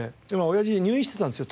親父入院してたんですよ